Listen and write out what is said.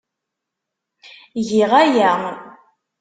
Giɣ aya.